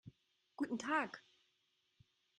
Guten Tag.